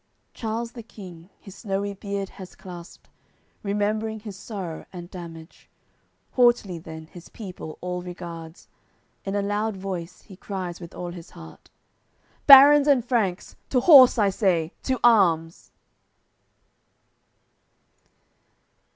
Charles the King his snowy beard has clasped, Remembering his sorrow and damage, Haughtily then his people all regards, In a loud voice he cries with all his heart: "Barons and Franks, to horse, I say, to arms!"